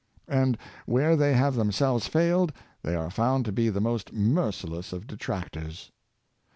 And where they have themselves failed, they are found to be the most merciless of detractors.